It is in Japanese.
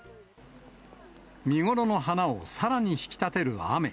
見頃の花をさらに引き立てる雨。